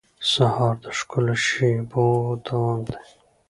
سهار د ښکلو شېبو دوام دی.